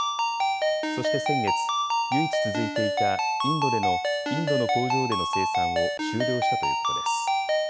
そして先月、唯一続いていたインドの工場での生産を終了したということです。